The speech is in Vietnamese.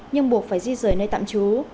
nhưng buộc phải di rời nơi tạm trú